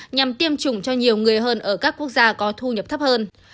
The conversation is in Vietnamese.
nhằm tiêm chủng cho nhiều người hơn ở các quốc gia có thu nhập thấp hơn